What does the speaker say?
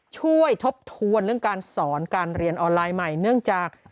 ทบทวนเรื่องการสอนการเรียนออนไลน์ใหม่เนื่องจาก